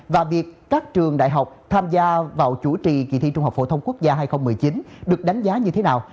và việc các trường đại học tham gia vào chủ trì kỳ thi trung học phổ thông quốc gia hai nghìn một mươi chín được đánh giá như thế nào